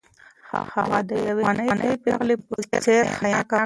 هغه د یوې افغانۍ پېغلې په څېر حیاناکه وه.